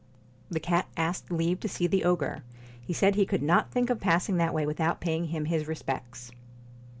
The cat asked leave to see the ogre. He said he could not think of passing that way without paying him his respects.